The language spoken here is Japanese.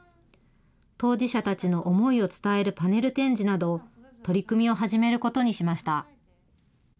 当事者たちの思いを伝えるパネル展示など、取り組みを始めることにしました。